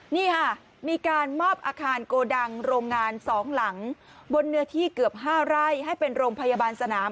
นี่ค่ะมีการมอบอาคารโกดังโรงงาน๒หลังบนเนื้อที่เกือบ๕ไร่ให้เป็นโรงพยาบาลสนาม